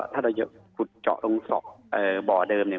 ถ้าเราจะขุดเจาะตรงบ่อเดิมเนี่ย